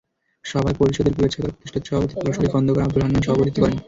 সভায় পরিষদের কুয়েত শাখার প্রতিষ্ঠাতা সভাপতি প্রকৌশলী খোন্দকার আব্দুল হান্নান সভাপতিত্ব করেন।